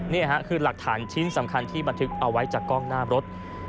นี่ค่ะคือหลักฐานชิ้นสำคัญที่บันทึกเอาไว้จากกล้องหน้ารถ